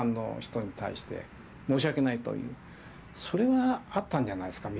それがあったんじゃないですか？